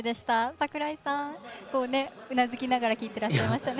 櫻井さん、うなずきながら聞いてらっしゃいましたね。